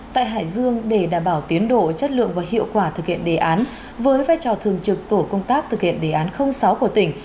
tại hải dương để đảm bảo tiến độ chất lượng và hiệu quả thực hiện đề án với vai trò thường trực tổ công tác thực hiện đề án sáu của tỉnh